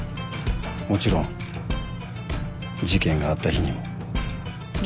もちろん事件があった日にも。